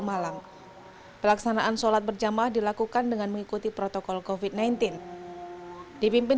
malang pelaksanaan sholat berjamaah dilakukan dengan mengikuti protokol kofit sembilan belas dipimpin